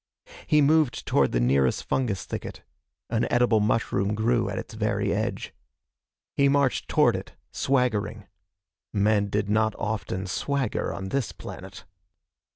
He moved toward the nearest fungus thicket. An edible mushroom grew at its very edge. He marched toward it, swaggering. Men did not often swagger on this planet.